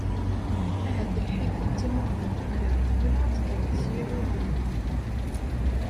Ahat lḥif d timuɣbent axir, wala ad teddreḍ s yir udem.